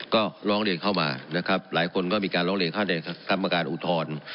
ก็ร้องเรียนเข้ามานะครับหลายคนก็มีการร้องเรียนเข้าในกรรมการอุทธรณ์